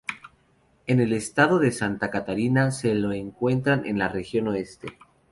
En el estado de Santa Catarina se lo encuentra en la región oeste.